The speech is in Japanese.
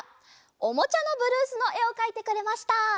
「おもちゃのブルース」のえをかいてくれました。